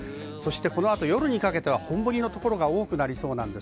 このあと夜にかけて本降りの所が多くなりそうです。